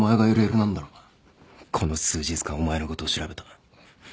この数日間お前のことを調べた